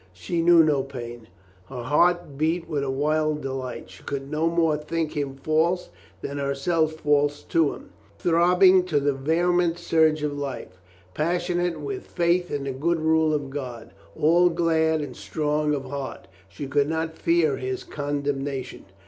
She knew no pain. Her heart beat with a wild delight. She could no more think him false than herself false to him. Throbbing to the vehement surge of life, passionate with faith in the good rule of God, all glad and strong of heart, she could not fear his con demnation.